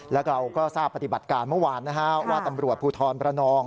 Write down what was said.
แล้วเราก็ทราบปฏิบัติการเมื่อวานนะฮะว่าตำรวจภูทรประนอง